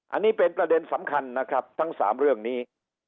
อันนี้เป็นประเด็นสำคัญนะครับทั้ง๓เรื่องนี้